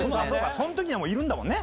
その時にはもういるんだもんね。